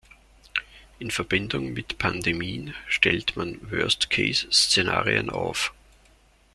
In Verbindung mit Pandemien stellt man Worst-Case-Szenarien auf.